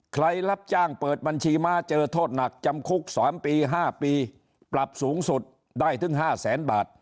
รับจ้างเปิดบัญชีม้าเจอโทษหนักจำคุก๓ปี๕ปีปรับสูงสุดได้ถึง๕แสนบาท